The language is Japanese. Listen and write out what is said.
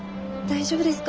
大丈夫です。